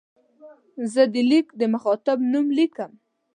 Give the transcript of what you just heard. زه د لیک د مخاطب نوم لیکم.